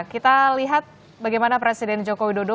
kita lihat bagaimana presiden joko widodo